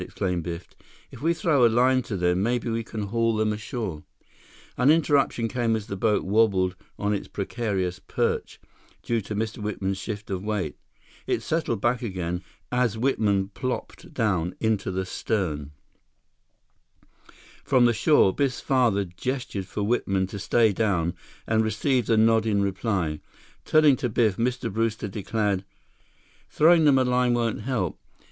exclaimed Biff. "If we throw a line to them, maybe we can haul them ashore—" An interruption came as the boat wabbled on its precarious perch, due to Mr. Whitman's shift of weight. It settled back again, as Whitman plopped down into the stem. From the shore, Biff's father gestured for Whitman to stay down and received a nod in reply. Turning to Biff, Mr. Brewster declared: "Throwing them a line won't help.